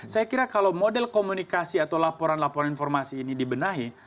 saya kira kalau model komunikasi atau laporan laporan informasi ini dibenahi